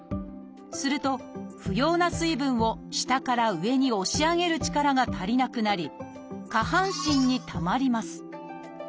すると不要な水分を下から上に押し上げる力が足りなくなり下半身にたまります。